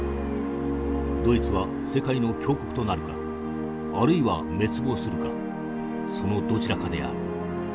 ドイツは世界の強国となるかあるいは滅亡するかそのどちらかである。